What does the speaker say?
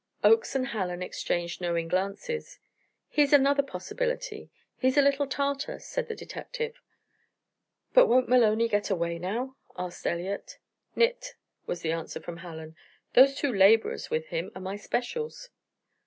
Oakes and Hallen exchanged knowing glances. "He's another possibility; he's a little Tartar," said the detective. "But won't Maloney get away now?" asked Elliott. "Nit," was the answer from Hallen. "Those two 'laborers' with him are my 'specials.'"